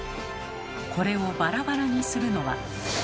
これをバラバラにするのは。